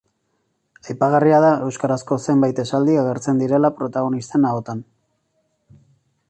Aipagarria da euskarazko zenbait esaldi agertzen direla protagonisten ahotan.